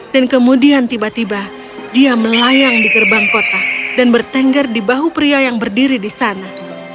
dan kemudian tiba tiba dia melayang di gerbang kota dan bertengger di bahu pria yang berdiri di sana